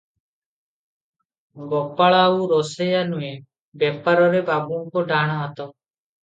ଗୋପାଳ ଆଉ ରୋଷେଇୟା ନୁହେଁ, ବେପାରରେ ବାବୁଙ୍କ ଡାହାଣ ହାତ ।